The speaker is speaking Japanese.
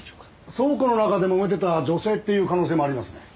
倉庫の中でもめてた女性っていう可能性もありますね。